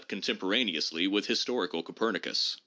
277 contemporaneously with the historical Copernicus